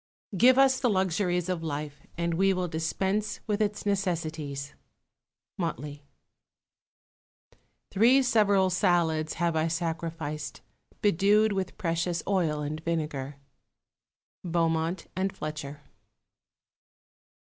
Give us the luxuries of life, and we will dispense with its necessaries. Motley. Three several salads have I sacrificed, bedew'd with precious oil and vinegar. _Beaumont and Fletcher.